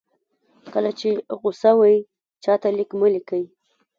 کله چې غوسه وئ چاته لیک مه لیکئ.